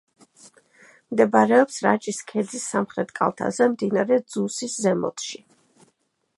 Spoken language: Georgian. მდებარეობს რაჭის ქედის სამხრეთ კალთაზე, მდინარე ძუსის ზემოთში.